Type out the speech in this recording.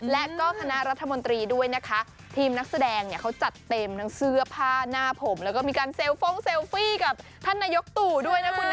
และก็คณะรัฐมนตรีด้วยนะคะทีมนักแสดงเนี่ยเขาจัดเต็มทั้งเสื้อผ้าหน้าผมแล้วก็มีการเซลฟ้องเซลฟี่กับท่านนายกตู่ด้วยนะคุณนะ